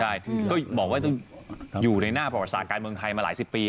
ใช่ก็บอกว่าต้องอยู่ในหน้าประวัติศาสตร์การเมืองไทยมาหลายสิบปี